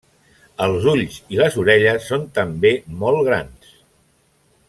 Els ulls i les orelles són també molt grans.